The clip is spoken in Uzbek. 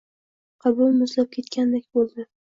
qalbim muzlab ketgandek bo‘ldi